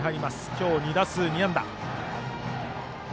今日、２打数２安打。